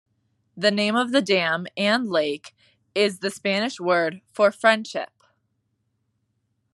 The name of the dam and lake is the Spanish word for "friendship".